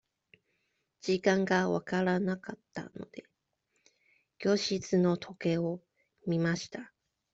時間が分からなかったので、教室の時計を見ました。